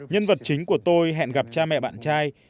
nhân vật chính của tôi hẹn gặp cha mẹ bạn trai